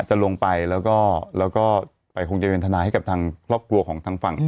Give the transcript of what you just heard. จะลงไปแล้วก็ไปคงจะเป็นทนายให้กับทางครอบครัวของทางฝั่ง